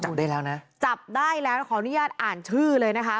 จับได้แล้วนะจับได้แล้วขออนุญาตอ่านชื่อเลยนะคะ